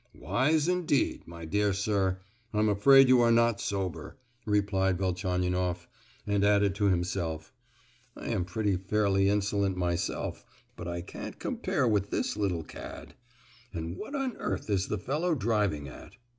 "Wise, indeed! My dear sir, I'm afraid you are not sober," replied Velchaninoff; and added to himself, "I am pretty fairly insolent myself, but I can't compare with this little cad! And what on earth is the fellow driving at?"